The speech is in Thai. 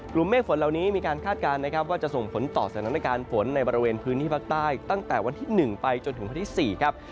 เมฆฝนเหล่านี้มีการคาดการณ์นะครับว่าจะส่งผลต่อสถานการณ์ฝนในบริเวณพื้นที่ภาคใต้ตั้งแต่วันที่๑ไปจนถึงวันที่๔ครับ